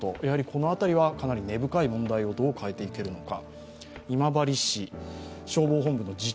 この辺りはかなり根深い問題をどう変えていけるのか。